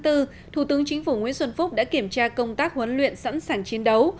thủ tướng chính phủ nguyễn xuân phúc đã kiểm tra công tác huấn luyện sẵn sàng chiến đấu